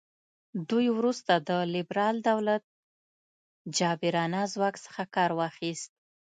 دوی وروسته د لیبرال دولت جابرانه ځواک څخه کار واخیست.